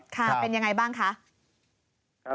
ค่ะเป็นยังไงบ้างคะ